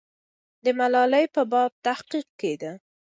د ملالۍ په باب تحقیق کېده.